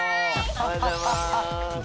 おはようございます。